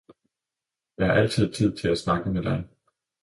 Jeg har altid tid til at snakke med dig